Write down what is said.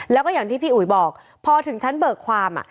แล้วก็อย่างที่พี่อุ๋ยบอกพอถึงชั้นเบิกความ